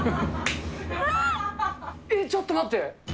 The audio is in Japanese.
えっ、ちょっと待って。